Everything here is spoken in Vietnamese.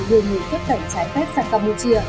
đưa những kết cảnh trái phép sang campuchia